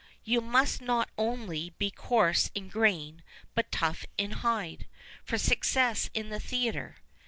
You must not only be coarse in grain, but tough in hide, for success in the theatre.